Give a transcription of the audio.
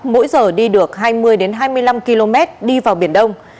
mỗi giờ đi được hai mươi hai mươi năm km đi vào biển đông